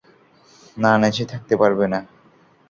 না নেচে থাকতে পারবে না।